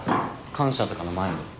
感謝とかの前に。